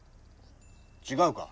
違うか？